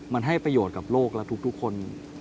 มันให้ประโยชน์กับโลกและทุกคน